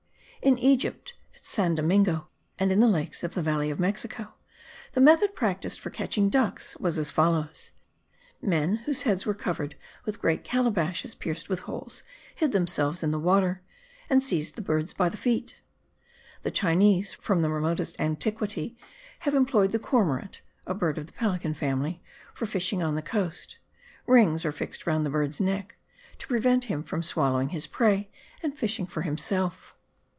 In Egypt, at San Domingo and in the lakes of the valley of Mexico, the method practised for catching ducks was as follows: men, whose heads were covered with great calabashes pierced with holes, hid themselves in the water, and seized the birds by the feet. The Chinese, from the remotest antiquity, have employed the cormorant, a bird of the pelican family, for fishing on the coast: rings are fixed round the bird's neck to prevent him from swallowing his prey and fishing for himself.